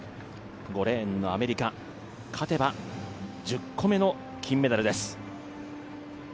５レーンのアメリカ、勝てば１０個目の金メダルです。